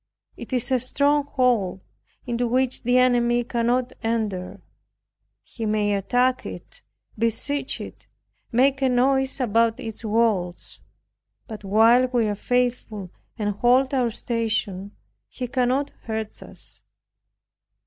It is a stronghold into which the enemy cannot enter. He may attack it, besiege it, make a noise about its walls; but while we are faithful and hold our station, he cannot hurt us.